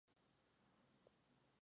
Elisabeth tuvo un destino trágico.